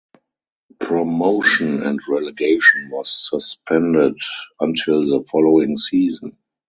Promotion and relegation was suspended until the following season.